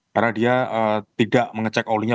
karena dia tidak mengecek olinya